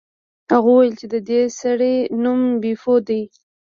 هغه وویل چې د دې سړي نوم بیپو دی.